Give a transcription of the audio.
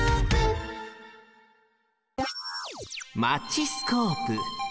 マチスコープ。